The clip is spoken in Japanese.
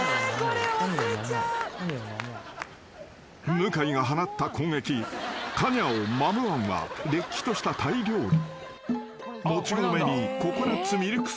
［向井が放った攻撃カオニャオ・マムアンはれっきとしたタイ料理］